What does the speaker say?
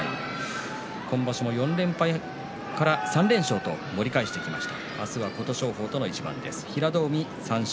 今場所も４連敗から３連勝と盛り返してきました。